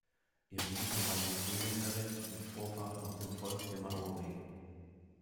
Ihre Mutter war Neuseeländerin mit Vorfahren aus dem Volk der Māori.